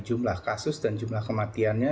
jumlah kasus dan jumlah kematiannya